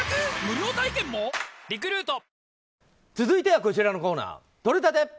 続いてはこちらのコーナーとれたて！